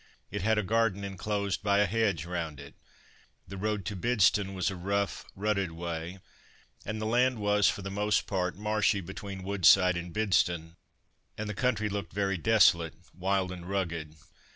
It had a garden enclosed by a hedge round it. The road to Bidston was a rough, rutted way, and the land was for the most part marshy between Woodside and Bidston, and the country looked very desolate, wild, and rugged.